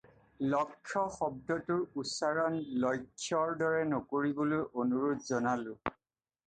"লক্ষ্য" শব্দটোৰ উচ্চাৰণ "লইখ্য"ৰ দৰে নকৰিবলৈ অনুৰোধ জনালোঁ।